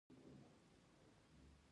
ازادي راډیو د اقلیم د ستونزو رېښه بیان کړې.